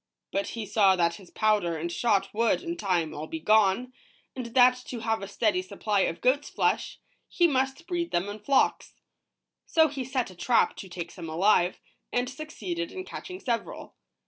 But he saw that his powder and shot would, in time, all be gone, and that to have a steady supply of goat's flesh, he must breed them in flocks. So he set a trap to take some alive, and succeeded in catching several.